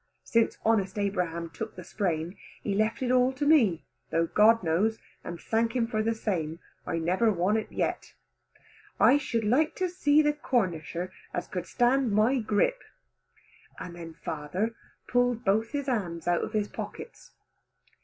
Since honest Abraham took the sprain, he left it all to me, though God knows, and thank him for the same, I never want it yet. I should like to see the Cornisher as could stand my grip." And then father pull both his hands out of his pockets.